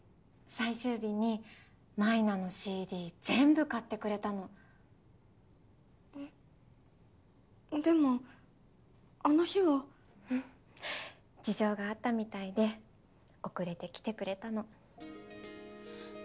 最終日に舞菜のＣＤ全部買ってくれたのえっでもあの日はうん事情があったみたいで遅れて来てくれたのＣＤ